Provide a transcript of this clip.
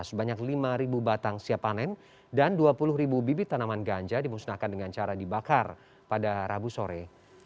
sebanyak lima batang siap panen dan dua puluh ribu bibit tanaman ganja dimusnahkan dengan cara dibakar pada rabu sore